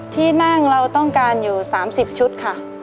ที่นั่งเราต้องการอยู่๓๐ชุดค่ะ